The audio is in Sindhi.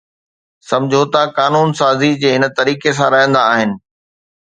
سمجھوتا قانون سازي جي ھن طريقي سان رھندا آھن